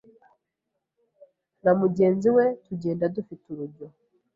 na mugenzi we tugenda dufite urujyo